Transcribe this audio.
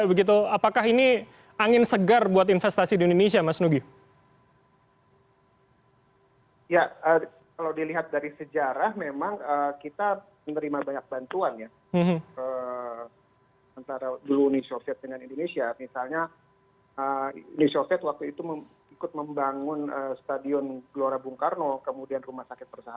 bagaimana presiden jokowi itu menjalankan amanatnya